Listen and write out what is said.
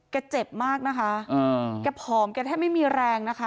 เจ็บมากนะคะแกผอมแกแทบไม่มีแรงนะคะ